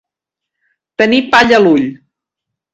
Tenir palla a l'ull.